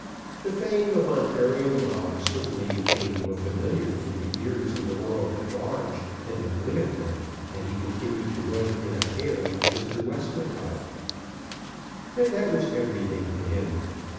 The fame of Ontario Moggs certainly became more familiar to the ears of the world at large than it would have done had he continued to run in a pair with Mr. Westmacott. And that was everything to him.